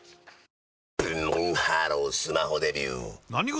ブンブンハロースマホデビュー！